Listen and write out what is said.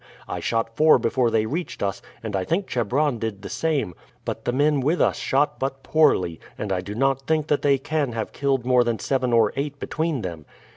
I shot four before they reached us, and I think Chebron did the same; but the men with us shot but poorly, and I do not think that they can have killed more than seven or eight between them.